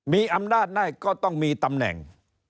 มีอำนาจได้ก็ต้องมีตำแหน่ง